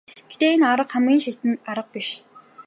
Гэхдээ энэ арга хамгийн шилдэг арга биш.